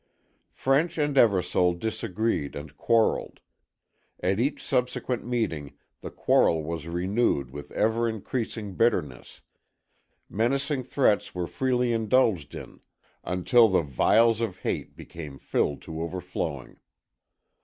French and Eversole disagreed and quarreled. At each subsequent meeting the quarrel was renewed with ever increasing bitterness; menacing threats were freely indulged in until the vials of hate became filled to overflowing.